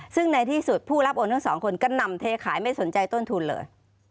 ซึ่งในที่สุดผู้รับโอนทั้งสองคนก็นำเทขายไม่สนใจต้นทุนเลย